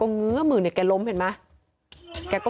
ก็จังหวะที่แกล้มลงแล้วนะคะ